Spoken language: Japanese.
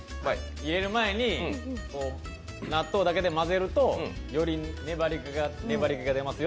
入れる前に納豆だけで混ぜるとより粘り気が出ます